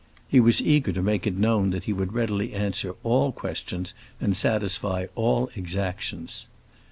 He was eager to make it known that he would readily answer all questions and satisfy all exactions.